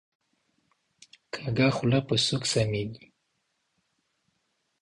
کږه خوله په سوک سمیږي